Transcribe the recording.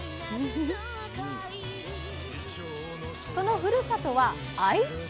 そのふるさとは愛知県。